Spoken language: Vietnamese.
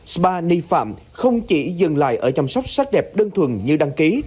spa nghi phạm không chỉ dừng lại ở chăm sóc sắc đẹp đơn thuần như đăng ký